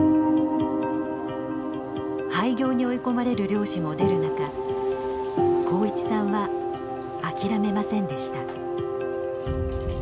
廃業に追い込まれる漁師も出る中幸一さんは諦めませんでした。